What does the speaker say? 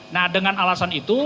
nah dengan alasan itu